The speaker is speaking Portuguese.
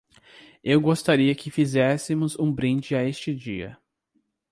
Eu gostaria que fizéssemos um brinde a este dia